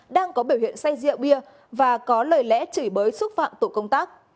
đang có biểu hiện say rượu bia và có lời lẽ chửi bới xúc phạm tổ công tác